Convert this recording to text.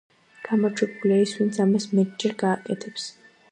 გამარჯვებულია ის, ვინც ამას მეტჯერ გააკეთებს.